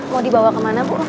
mau dibawa kemana bu